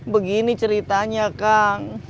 begini ceritanya kak